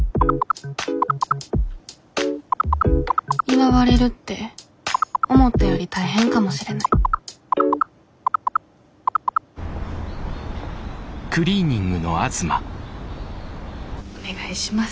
祝われるって思ったより大変かもしれないお願いします。